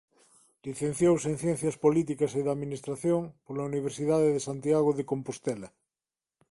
Licenciouse en Ciencias Políticas e da Administración pola Universidade de Santiago de Compostela.